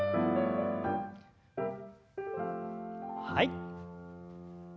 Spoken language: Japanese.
はい。